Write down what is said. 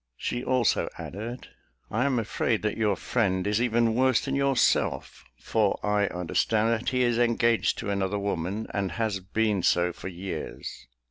She also added, "I am afraid that your friend is even worse than yourself; for I understand that he is engaged to another woman, and has been so for years.